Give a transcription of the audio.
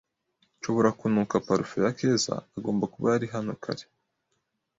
Nshobora kunuka parufe ya Keza. Agomba kuba yari hano kare.